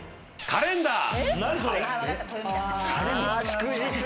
カレンダー？